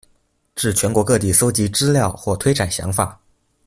至全國各地蒐集資料或推展想法